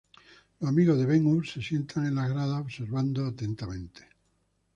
Los amigos de Ben hur se sientan en las gradas, observando atentamente.